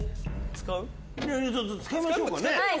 使いましょうかね。